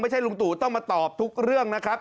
ลุงตู่ต้องมาตอบทุกเรื่องนะครับ